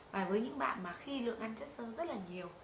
và với những bạn mà khi lượng ăn chất sâu rất là nhiều